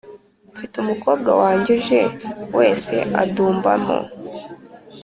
Mfite umukobwa wanjye uje wese adumbamo